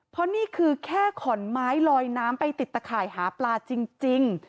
เพราะนี่คือแค่ขอนไม้ลอยน้ำไปติดตะข่ายหาปลาจริง